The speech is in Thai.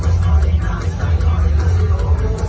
มันเป็นเมื่อไหร่แล้ว